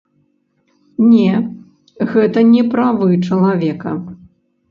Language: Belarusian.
Не, гэта не правы чалавека.